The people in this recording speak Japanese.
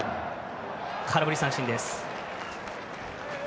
空振り三振です。